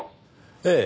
ええ。